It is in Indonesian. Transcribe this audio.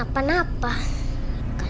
buat wright dan apapun ya